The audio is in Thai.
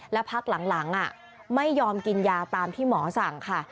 และพักหลังไม่ยอมกินยาตามที่หมอสั่งค่ะ